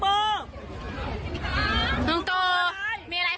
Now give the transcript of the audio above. คำนายยกเห็นผู้ชุมฤทธิ์มารอพบนะคำนายยก